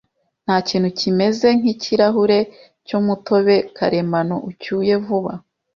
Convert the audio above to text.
Ntakintu kimeze nkikirahure cyumutobe karemano, ucyuye vuba.